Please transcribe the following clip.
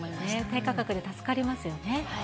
低価格で助かりますよね。